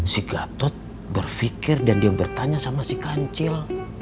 si gatot berpikir dan dia bertanya sama si kancil